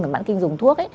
và bản kinh dùng thuốc